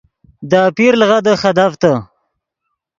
دے آپیر لغدے خدیڤتے